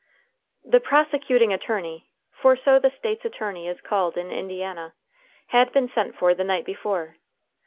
The "prosecuting attorney" (for so the State's attorney is called in Indiana) had been sent for the night before.